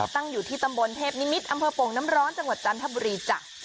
ตั้งอยู่ที่ตำบลเทพนิมิตรอำเภอโป่งน้ำร้อนจังหวัดจันทบุรีจ้ะ